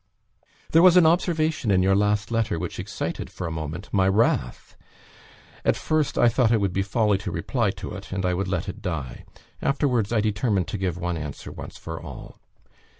There was an observation in your last letter which excited, for a moment, my wrath. At first, I thought it would be folly to reply to it, and I would let it die. Afterwards, I determined to give one answer, once for all.